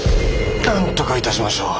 なんとかいたしましょう。